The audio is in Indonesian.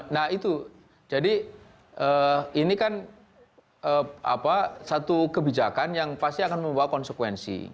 nah itu jadi ini kan satu kebijakan yang pasti akan membawa konsekuensi